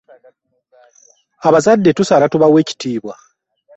Abazadde tusaana tubawe ekitiibwa.